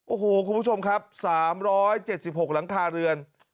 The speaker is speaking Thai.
โอ้โหคุณผู้ชมครับ๓๗๖หลังคาเรือน